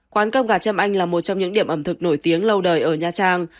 quán cơm gà châm anh là một trong những điểm ẩm thực nổi tiếng lâu đời ở nha trang